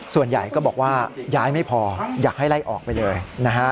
ส่วนใหญ่ก็บอกว่าย้ายไม่พออยากให้ไล่ออกไปเลยนะฮะ